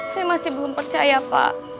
saya masih belum percaya pak